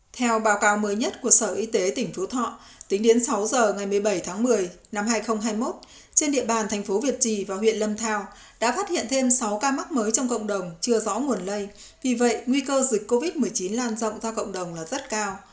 theo báo cáo mới nhất của sở y tế tỉnh phú thọ tính đến sáu giờ ngày một mươi bảy tháng một mươi năm hai nghìn hai mươi một trên địa bàn thành phố việt trì và huyện lâm thao đã phát hiện thêm sáu ca mắc mới trong cộng đồng chưa rõ nguồn lây vì vậy nguy cơ dịch covid một mươi chín lan rộng ra cộng đồng là rất cao